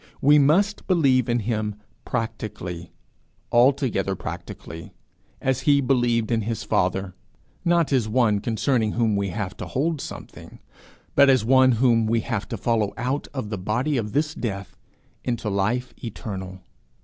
We must believe in him practically altogether practically, as he believed in his Father; not as one concerning whom we have to hold something, but as one whom we have to follow out of the body of this death into life eternal.